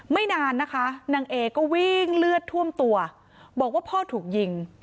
ไม่นานนะคะนางเอก็วิ่งเลือดท่วมตัวบอกว่าพ่อถูกยิง